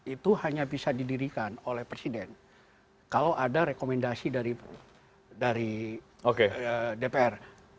itu hanya bisa didirikan oleh presiden kalau ada rekomendasi dari dpr